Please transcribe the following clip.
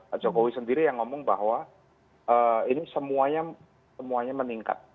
pak jokowi sendiri yang ngomong bahwa ini semuanya meningkat